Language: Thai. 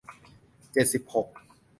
เจ็ดสิบหก